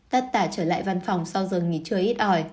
tắt tả trở lại văn phòng sau giờ nghỉ trưa ít ỏi